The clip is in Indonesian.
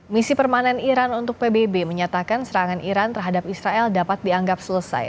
misi permanen iran untuk pbb menyatakan serangan iran terhadap israel dapat dianggap selesai